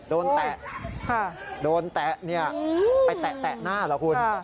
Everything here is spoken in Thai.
แตะโดนแตะเนี่ยไปแตะหน้าเหรอคุณ